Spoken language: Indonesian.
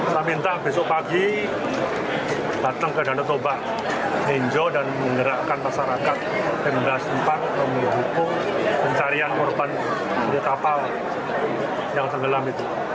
saya minta besok pagi datang ke danau toba meninjau dan mengerahkan masyarakat yang berhasil mencari korban kapal yang tenggelam itu